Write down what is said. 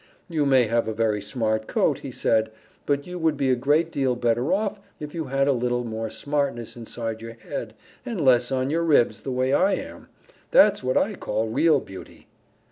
"You may have a very smart coat," he said, "but you would be a great deal better off if you had a little more smartness inside your head and less on your ribs, the way I am. That's what I call real beauty."